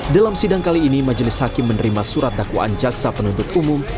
dalam sidang kali ini majelis hakim menerima surat dakwaan jaksa penuntut umum